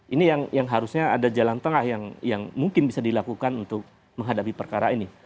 ini yang harusnya ada jalan tengah yang mungkin bisa dilakukan untuk menghadapi perkara ini